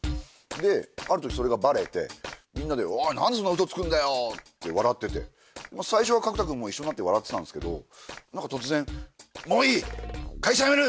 である時それがバレてみんなで「おい何でそんなウソつくんだよ」って笑ってて最初は角田君も一緒になって笑ってたんですけど何か突然「もういい！会社辞める！」